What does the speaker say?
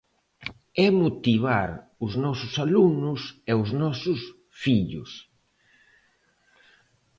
É motivar os nosos alumnos e os nosos fillos.